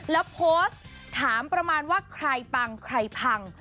แล้วโพสต์ถามประมาณว่าใครปังใครพัง